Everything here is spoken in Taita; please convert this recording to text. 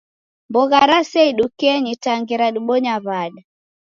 Mbogha rasia idukenyi ta ngera dibonyaa w'ada